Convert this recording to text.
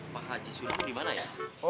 pak haji sulam dimana ya